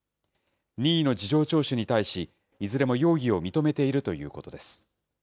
任意の事情聴取に対し、いずれも容疑を認めているということです。